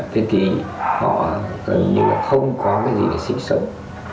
thế thì họ gần như là không có cái gì để sinh sống